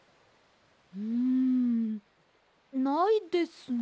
うんないですね。